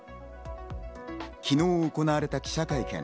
昨日行われた記者会見。